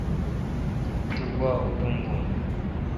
تو گوا اتونگون۔